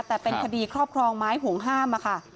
แต่เป็นคดีครอบครองไม้ห่วงห้ามค่ะ